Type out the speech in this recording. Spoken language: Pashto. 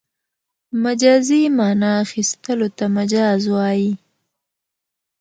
مجازي مانا اخستلو ته مجاز وايي.